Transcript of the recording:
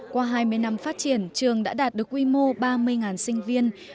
qua hai mươi năm phát triển trường đã đạt được quy mô ba mươi sinh viên